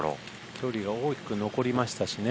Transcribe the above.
距離が大きく残りましたしね。